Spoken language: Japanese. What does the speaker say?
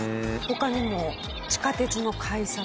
他にも地下鉄の改札。